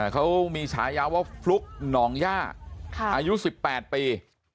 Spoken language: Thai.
เขามีฉายาว่าฟลุ๊กหนองย่าอายุ๑๘ปี